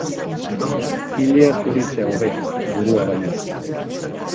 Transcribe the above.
Ilea zuritzea hobe, burua baino.